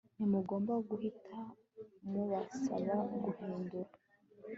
Ntimugomba guhita mubasaba guhindura